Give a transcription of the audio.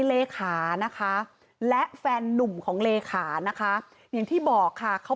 เลขานะคะและแฟนนุ่มของเลขานะคะอย่างที่บอกค่ะเขา